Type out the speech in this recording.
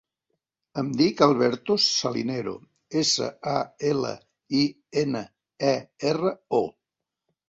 Em dic Alberto Salinero: essa, a, ela, i, ena, e, erra, o.